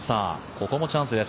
ここもチャンスです。